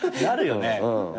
なるよね。